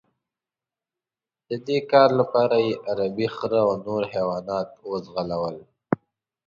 د دې کار لپاره یې عربي خره او نور حیوانات وځغلول.